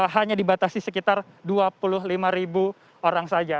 hanya dibatasi sekitar dua puluh lima ribu orang saja